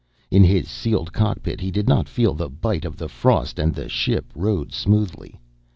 In his sealed cockpit he did not feel the bite of the frost and the ship rode smoothly.